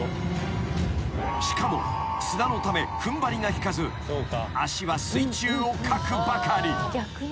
［しかも砂のため踏ん張りが利かず足は水中をかくばかり］